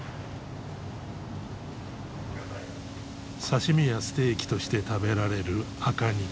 刺身やステーキとして食べられる赤肉。